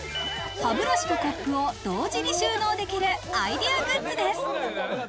歯ブラシとコップを同時に収納できるアイデアグッズです。